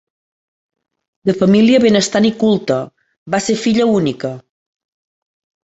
De família benestant i culta, va ser filla única.